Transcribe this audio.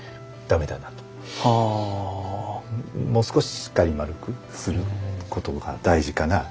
もう少ししっかり丸くすることが大事かなと。